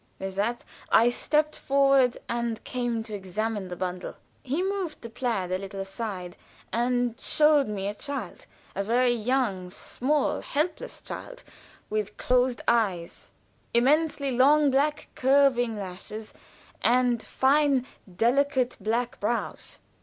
With that I stepped forward and came to examine the bundle. He moved the plaid a little aside and showed me a child a very young, small, helpless child, with closed eyes, immensely long, black, curving lashes, and fine, delicate black brows.